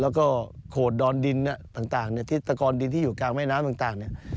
แล้วก็โขดดอนดินต่างที่อยู่กลางแม่น้ำต่าง